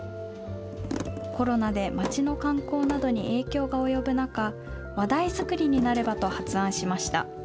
コロナで町の観光などに影響が及ぶ中、話題作りになればと発案しました。